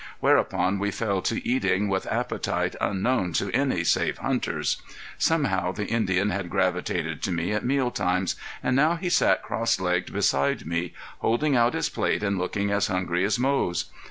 Whereupon we fell to eating with appetite unknown to any save hunters. Somehow the Indian had gravitated to me at meal times, and now he sat cross legged beside me, holding out his plate and looking as hungry as Moze.